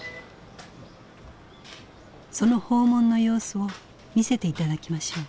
その訪問の様子を見せて頂きましょう。